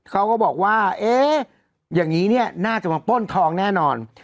เขาก็บอกว่าเอ๊ะอย่างนี้เนี่ยน่าจะมาป้นทองแน่นอน